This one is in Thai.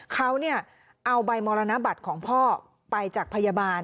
เขาเอาใบมรณบัตรของพ่อไปจากพยาบาล